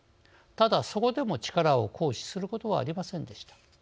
ただ、そこでも力を行使することはありませんでした。